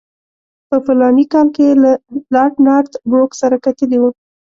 په فلاني کال کې یې له لارډ نارت بروک سره کتلي وو.